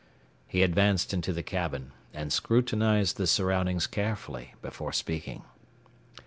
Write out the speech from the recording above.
He advanced into the cabin and scrutinized the surroundings carefully before speaking.